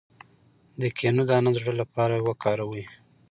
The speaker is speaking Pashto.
د کینو دانه د زړه لپاره وکاروئ